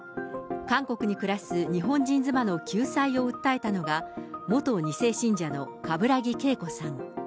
韓国に暮らす日本人妻の救済を訴えたのが、元２世信者の冠木けいこさん。